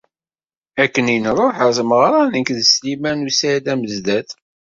Akken i nṛuḥ ar tmeɣṛa nekk d Sliman u Saɛid Amezdat.